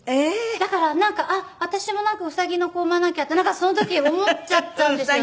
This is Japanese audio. だからなんかあっ私もうさぎの子を産まなきゃってその時思っちゃったんですよね。